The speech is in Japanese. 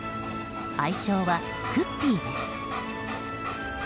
愛称はクッピーです。